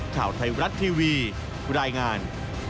ข่าวไทยรัฐทีวีรายงาน